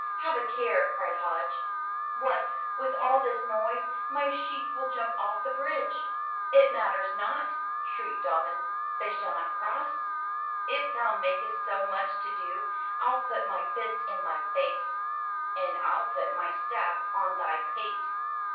"Have a care!" cried Hodge. "What with all this noise, my sheep will jump off the bridge!" "It matters not!" shrieked Dobbin. "They shall not cross!" "If thou makest so much to do, FU put my fist in thy face!" "And ril put my staff on thy pate!"